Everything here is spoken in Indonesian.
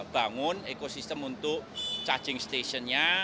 bangun ekosistem untuk charging stationnya